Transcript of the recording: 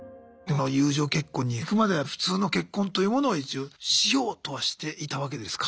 友情結婚にいくまでは普通の結婚というものを一応しようとはしていたわけですか？